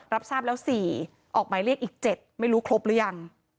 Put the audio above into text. รับทราบแล้ว๔ออกหมายเรียกอีก๗ไม่รู้ครบหรือยัง